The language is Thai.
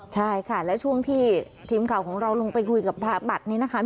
ใช่ค่ะแล้วช่วงที่ทีมข่าวของเราลงไปคุยกับพระบัตรนี้นะคะ